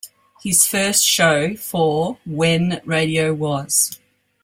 His first show for "When Radio Was!